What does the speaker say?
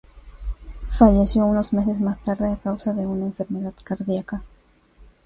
Falleció unos meses más tarde, a causa de una enfermedad cardiaca.